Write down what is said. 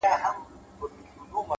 حيا مو ليري د حيا تر سترگو بد ايسو.!